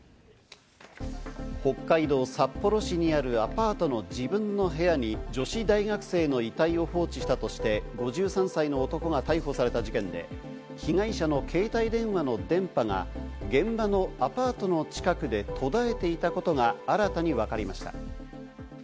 北海道札幌市にあるアパートの自分の部屋に女子大学生の遺体を放置したとして、５３歳の男が逮捕された事件で、被害者の携帯電話の電波が現場のアパートの近くで途絶えていたことが新たに分かりました。